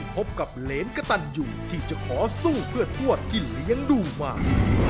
พบกับเลนกตันอยู่ที่จะขอสู้เพื่อทวดกินเลี้ยงรู้มาก